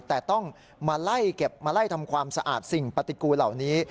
แต่ต้องมาไล่เก็บมาไล่ทำความสะอาดสิ่งปฏิกูลเหล่านี้